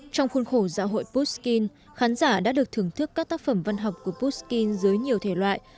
trong khuôn khổ dạo hội postkin khán giả đã được thưởng thức các tác phẩm văn học của pushkin dưới nhiều thể loại